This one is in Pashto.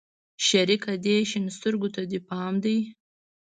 شريکه دې شين سترگو ته دې پام دى.